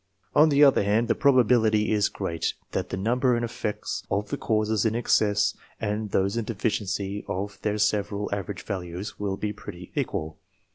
On the other hand, the probability is great that the number and effects of the causes in excess and those in deficiency of their several average values will be pretty equal.